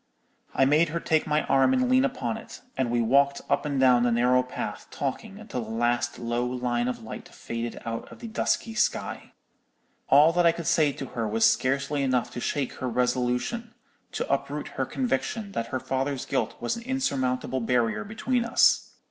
"I made her take my arm and lean upon it, and we walked up and down the narrow path talking until the last low line of light faded out of the dusky sky. "All that I could say to her was scarcely enough to shake her resolution—to uproot her conviction that her father's guilt was an insurmountable barrier between us.